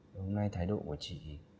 hôm nay thái độ của chị